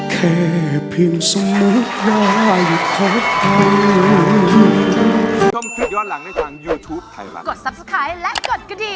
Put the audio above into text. แค่เพียงสมมุติอย่าหยุดเข้าไป